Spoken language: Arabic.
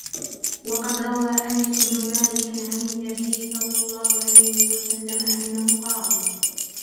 وَقَدْ رَوَى أَنَسُ بْنُ مَالِكٍ عَنْ النَّبِيِّ صَلَّى اللَّهُ عَلَيْهِ وَسَلَّمَ أَنَّهُ قَالَ